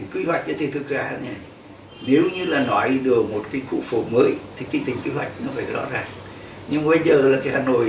quy hoạch thì thực ra nếu như là nói được một cái khu phố mới thì cái tính quy hoạch nó phải rõ ràng